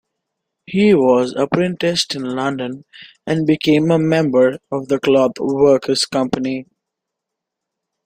He was apprenticed in London and became a member of the Clothworkers' Company.